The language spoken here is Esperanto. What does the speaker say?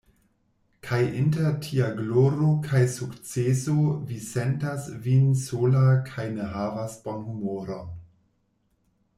Kaj inter tia gloro kaj sukceso Vi sentas Vin sola kaj ne havas bonhumoron!